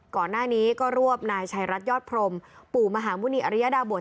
ก่อนหน้านี้ก็รวบนายชัยรัฐยอดพรมปู่มหาหมุณีอริยดาบท